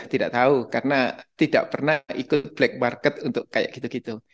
tidak tahu karena tidak pernah ikut black market untuk kayak gitu gitu